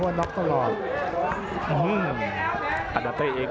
อัศวินาศาสตร์